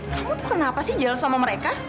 kamu tuh kenapa sih jelas sama mereka